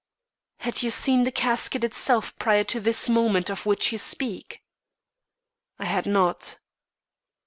"Had you seen the casket itself prior to this moment of which you speak?" "I had not."